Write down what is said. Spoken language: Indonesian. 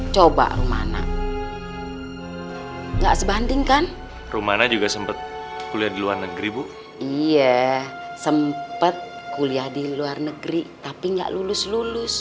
coba rumana enggak sebanding kan rumana juga sempet kuliah di luar negeri bu iya sempet kuliah di luar negeri tapi enggak ada yang mencari rumahnya ya